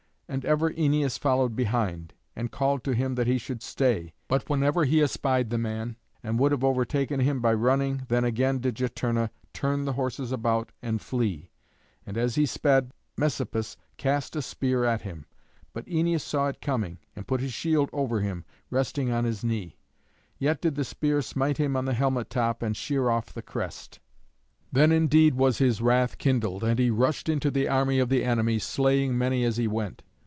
And ever Æneas followed behind, and called to him that he should stay; but whenever he espied the man, and would have overtaken him by running, then again did Juturna turn the horses about and flee. And as he sped Messapus cast a spear at him. But Æneas saw it coming, and put his shield over him, resting on his knee. Yet did the spear smite him on the helmet top and shear off the crest. Then indeed was his wrath kindled, and he rushed into the army of the enemy, slaying many as he went.